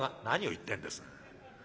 「何を言ってんです。